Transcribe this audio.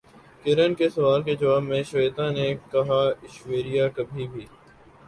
کرن کے سوال کے جواب میں شویتا نے کہا ایشوریا کبھی بھی